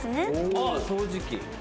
あっ掃除機。